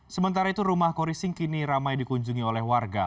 sementara itu rumah khori singh kini ramai dikunjungi oleh warga